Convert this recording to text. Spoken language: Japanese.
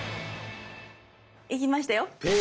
いきましたよ。